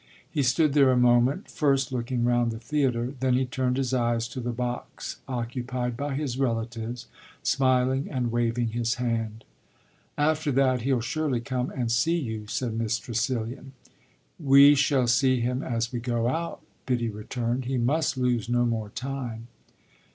He stood there a moment, first looking round the theatre; then he turned his eyes to the box occupied by his relatives, smiling and waving his hand. "After that he'll surely come and see you," said Miss Tressilian. "We shall see him as we go out," Biddy returned: "he must lose no more time."